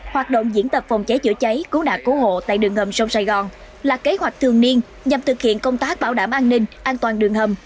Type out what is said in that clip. hoạt động diễn tập phòng cháy chữa cháy cứu nạn cứu hộ tại đường hầm sông sài gòn là kế hoạch thường niên nhằm thực hiện công tác bảo đảm an ninh an toàn đường hầm